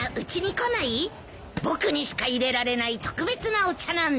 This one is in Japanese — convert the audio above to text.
僕にしか入れられない特別なお茶なんだ。